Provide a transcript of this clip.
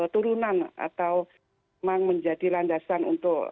turunan atau memang menjadi landasan untuk